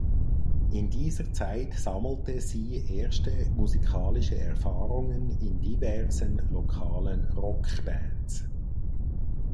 In dieser Zeit sammelte sie erste musikalische Erfahrungen in diversen lokalen Rockbands.